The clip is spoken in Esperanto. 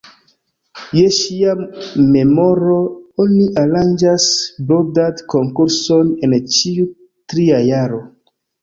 Je ŝia memoro oni aranĝas brodad-konkurson en ĉiu tria jaro.